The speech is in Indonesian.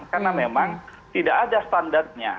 karena memang tidak ada standarnya